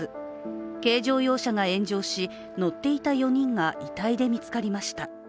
軽乗用車が炎上し、乗っていた４人が遺体で見つかりました。